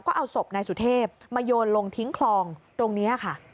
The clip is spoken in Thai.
ก็เอาศพนายสุเทพมาโยนลงทิ้งคลองตรงนี้ค่ะ